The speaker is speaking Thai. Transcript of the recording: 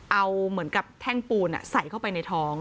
เอาเหมือนกับแท่งปูนใส่เข้าไปในท้อง